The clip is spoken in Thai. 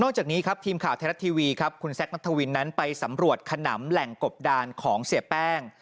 จากนี้ครับทีมข่าวไทยรัฐทีวีครับคุณแซคนัทวินนั้นไปสำรวจขนำแหล่งกบดานของเสียแป้ง